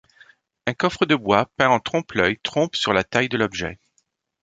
Un coffre de bois peint en trompe-l'œil trompe sur la taille de l'objet.